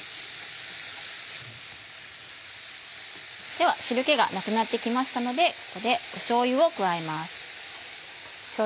では汁気がなくなって来ましたのでここでしょうゆを加えます。